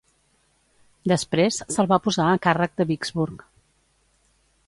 Després se"l va posar a càrrec de Vicksburg.